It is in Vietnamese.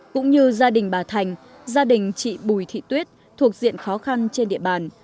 cũng như gia đình bà thành gia đình chị bùi thị tuyết thuộc diện khó khăn trên địa bàn